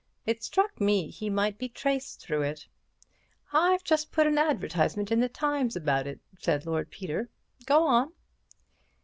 It struck me he might be traced through it." "I've just put an advertisement in the Times about it," said Lord Peter. "Go on."